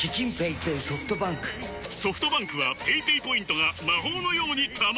ソフトバンクはペイペイポイントが魔法のように貯まる！